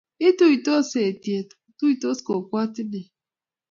Ituitos eitiet, tuitos kokwatinek